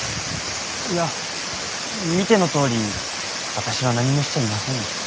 いや見てのとおり私は何もしちゃいませんよ。